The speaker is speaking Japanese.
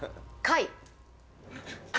貝。